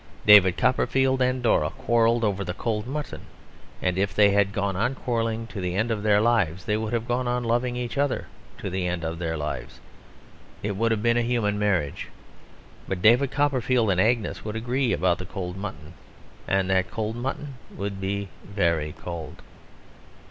David Copperfield and Dora quarrelled over the cold mutton; and if they had gone on quarrelling to the end of their lives, they would have gone on loving each other to the end of their lives; it would have been a human marriage. But David Copperfield and Agnes would agree about the cold mutton. And that cold mutton would be very cold.